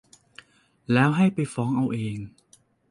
แล้วให้ไปฟ้องเอาเอง